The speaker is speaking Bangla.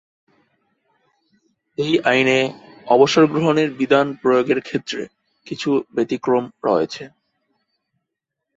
এ আইনে অবসরগ্রহণের বিধান প্রয়োগের ক্ষেত্রে কিছু ব্যতিক্রম রয়েছে।